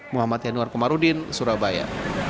muhammad yanuar komarudin surabaya